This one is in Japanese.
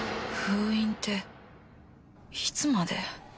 封印っていつまで？